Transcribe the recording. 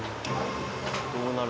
どうなる？